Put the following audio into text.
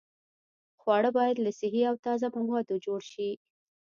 خواړه باید له صحي او تازه موادو جوړ شي.